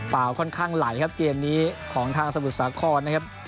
ค่อนข้างไหลครับเกมนี้ของทางสมุทรสาครนะครับ